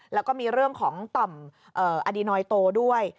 แล้วก็มีเรื่องของต่อมอดีนอยโตด้วย